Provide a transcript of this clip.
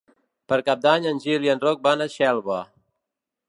Per Cap d'Any en Gil i en Roc van a Xelva.